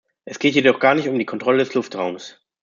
Es geht jedoch gar nicht um die Kontrolle des Luftraums.